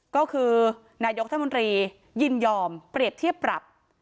ก็คือนายกรัฐมนตรียินยอมเปรียบเทียบปรับ